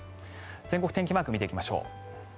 全国天気マーク見ていきましょう。